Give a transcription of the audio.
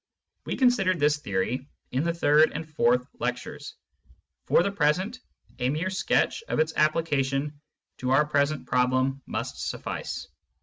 We considered this theory in the third and fourth lectures ; for the present, a mere sketch of its application to our present problem must suffice.